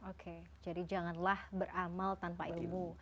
oke jadi janganlah beramal tanpa ilmu